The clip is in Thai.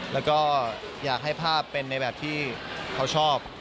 แล้วก็อยากให้ภาพเป็นในแบบที่เขาชอบ